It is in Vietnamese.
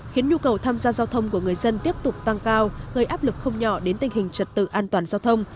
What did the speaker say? khiến nhu cầu tham gia giao thông của người dân tiếp tục tăng cao gây áp lực không nhỏ đến tình hình trật tự an toàn giao thông